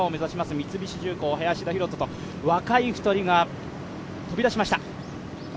三菱重工、林田洋翔と若い２人が飛び出しました。